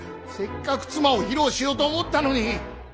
せっかく妻を披露しようと思ったのに。